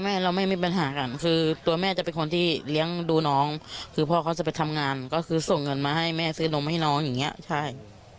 เราไม่มีปัญหากันคือตัวแม่จะเป็นคนที่เลี้ยงดูน้องคือพ่อเขาจะไปทำงานก็คือส่งเงินมาให้แม่ซื้อนมให้น้องอย่างเงี้ยใช่